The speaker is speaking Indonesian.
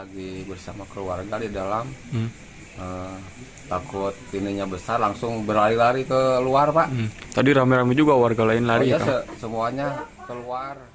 gempa dengan magnitudo enam empat